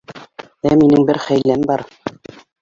Ә минең бер хәйләм бар.